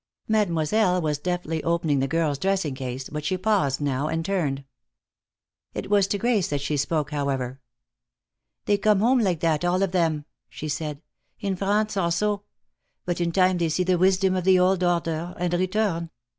Mademoiselle was deftly opening the girl's dressing case, but she paused now and turned. It was to Grace that she spoke, however. "They come home like that, all of them," she said. "In France also. But in time they see the wisdom of the old order, and return.